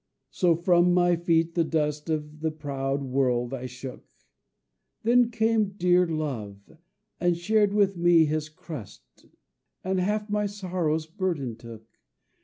So from my feet the dust Of the proud World I shook; Then came dear Love and shared with me his crust, And half my sorrow's burden took.